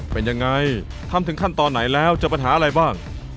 เป็นยังไงทำถึงขั้นตอนไหนแล้วเจอปัญหาอะไรบ้าง